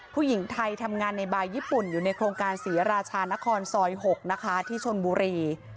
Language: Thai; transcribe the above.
ผู้หญิงไทยทำงานในบายญี่ปุ่นอยู่ในโครงการศรีราชานครซอย๖นะคะที่ชนบุรี